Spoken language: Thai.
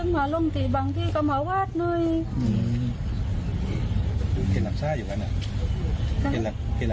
ไม่ได้กลับให้กลับให้กินยาดีนะ